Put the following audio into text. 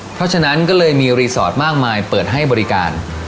เพราะฉะนั้นก็เลยมีรีสอร์ทมากมายเปิดให้บริการ